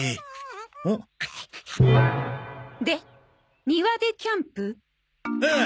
おっ？で庭でキャンプ？ああ。